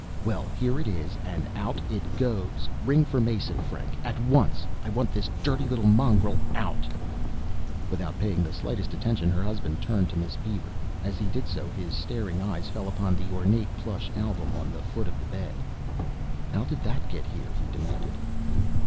"Well, here it is and out it goes. Ring for Mason, Frank, at once. I want this dirty little mongrel out!" Without paying the slightest attention, her husband turned to Miss Beaver. As he did so, his staring eyes fell upon the ornate plush album on the foot of the bed. "How did that get here?" he demanded.